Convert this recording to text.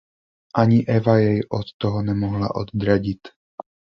Ani Eva jej od toho nemohla odradit.